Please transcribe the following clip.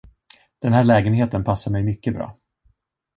Den här lägenheten passar mig mycket bra.